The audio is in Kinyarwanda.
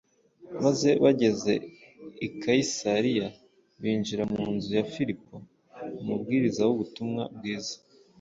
maze bageze i Kayisariya “binjira mu nzu ya Filipo umubwiriza w’ubutumwa bwiza,